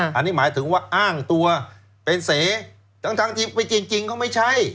อันนี้หมายถึงว่าอ้างตัวเป็นเสทั้งที่ไม่จริงเขาไม่ใช่